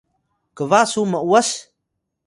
Batu: kba su m’was?